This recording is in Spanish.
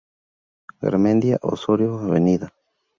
Garmendia, Osorio, Av.